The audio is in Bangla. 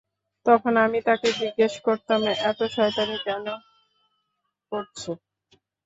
তখন আমি তাকে জিজ্ঞেস করতাম এতো শয়তানি কেন করছে।